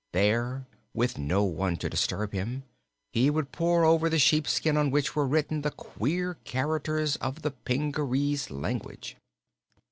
There, with no one to disturb him, he would pore over the sheepskin on which were written the queer characters of the Pingarese language.